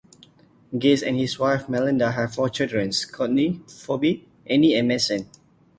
Gaze and his wife Melinda have four children; Courtney, Phoebe, Annie and Mason.